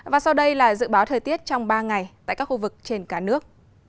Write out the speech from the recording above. và sau đây là dự báo thời tiết trong ba ngày tại các khu vực trên cả nước